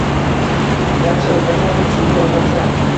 Garchi o'zbeklar rus tilini o'rgansa